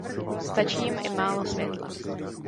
Stačí jim i málo světla.